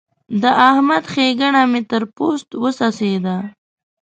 د احمد ښېګڼه مې تر پوست وڅڅېده.